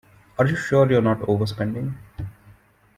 Are you sure you're not overspending?